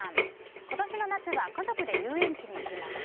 今年の夏は家族で遊園地に行きました。